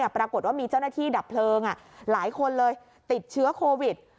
ปรากฏว่ามีเจ้าหน้าที่ดับเพลิงหลายคนเลยติดเชื้อโควิด